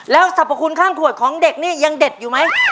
แล้วสรรพคุณข้างขวดของเด็กนี่ยังเด็ดอยู่ไหม